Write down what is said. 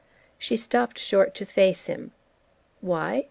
She stopped short to face him. "Why?